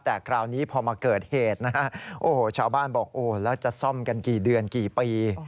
แต่คราวนี้พอมาเกิดเหตุนะฮะโอ้โหชาวบ้านบอกโอ้แล้วจะซ่อมกันกี่เดือนกี่ปี